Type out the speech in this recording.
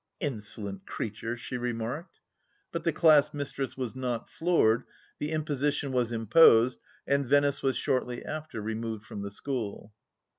" Insolent creature !" she remarked. But the class mistress was not floored, the imposition was imposed, and Venice was shortly after removed from the school.